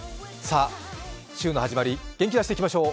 週の始まり、元気出していきましょう。